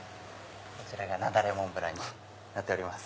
こちらが雪崩モンブランになっております。